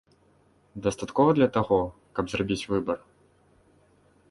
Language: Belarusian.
Дастаткова для таго, каб зрабіць выбар?